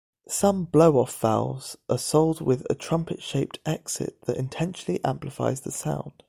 Some blowoff valves are sold with a trumpet-shaped exit that intentionally amplifies the sound.